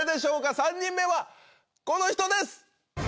３人目はこの人です